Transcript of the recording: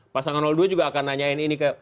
pasangan dua juga akan nanyain ini ke